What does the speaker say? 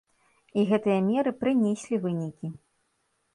І гэтыя меры прынеслі вынікі.